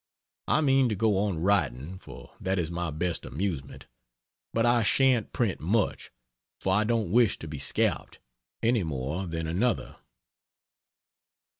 I mean to go on writing, for that is my best amusement, but I shan't print much (for I don't wish to be scalped, any more than another.)